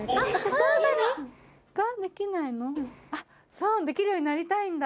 そうできるようになりたいんだ。